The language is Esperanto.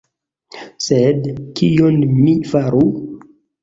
Sed, kion mi faru?